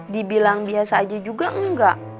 dibilang biasa aja juga enggak